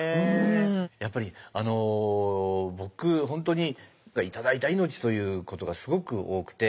やっぱり僕本当に頂いた命ということがすごく多くて。